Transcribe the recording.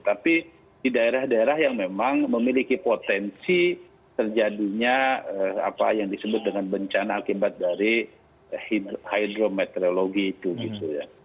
tapi di daerah daerah yang memang memiliki potensi terjadinya apa yang disebut dengan bencana akibat dari hidrometeorologi itu gitu ya